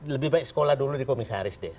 lebih baik sekolah dulu di komisaris deh